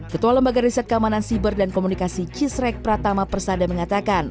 ketua lembaga riset keamanan siber dan komunikasi cisrek pratama persada mengatakan